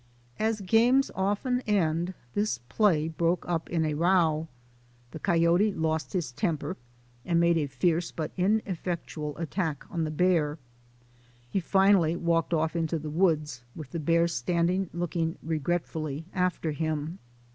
As games often end, this play broke up in a row. The coyote lost his temper and made a fierce but PLAY AND PRANKS OF WILD FOLK 205 ineffectual attack on the bear. He finally walked off into the woods, with the bear standing looking regretfully after him.